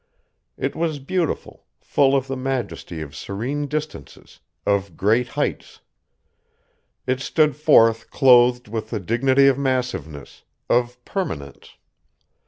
It was beautiful, full of the majesty of serene distances, of great heights. It stood forth clothed with the dignity of massiveness, of permanence.